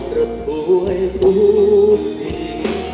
เพราะทุกเรารักมี